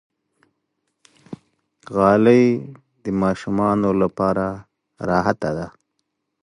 غالۍ د ماشومانو لپاره راحته ده.